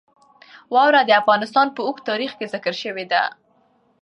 واوره د افغانستان په اوږده تاریخ کې ذکر شوی دی.